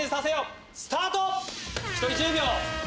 １人１０秒！